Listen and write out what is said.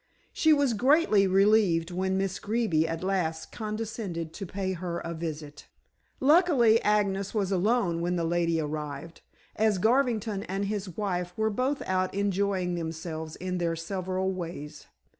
She was greatly relieved when Miss Greeby at last condescended to pay her a visit. Luckily Agnes was alone when the lady arrived, as Garvington and his wife were both out enjoying themselves in their several ways.